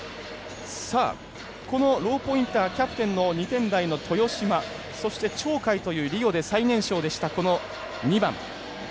このローポインターキャプテンの２点台の豊島、そして鳥海というリオで最年少でした２番。